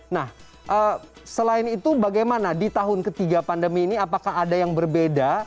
nah selain itu bagaimana di tahun ketiga pandemi ini apakah ada yang berbeda